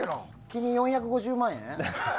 君、４５０万円？